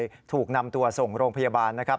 ถูกนำตัวส่งโรงพยาบาลนะครับ